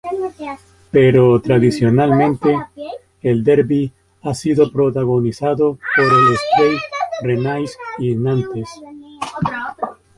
Pero, tradicionalmente, el derbi ha sido protagonizado por el Stade Rennais y Nantes.